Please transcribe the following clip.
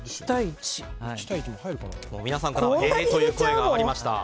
皆さんからえーという声が上がりましたが。